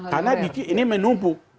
karena ini menumpuk